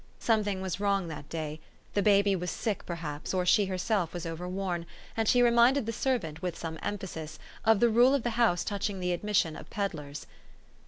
Something was wrong that day the babj r was sick, perhaps, or she herself was overworn ; and she reminded the servant, with some emphasis, of the rule of the house touching the admission of peddlers.